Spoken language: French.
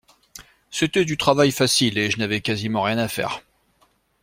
C’était du travail facile et je n’avais quasiment rien à faire.